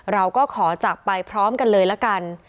เราก็ขอจากไปพร้อมกันเลยละกัน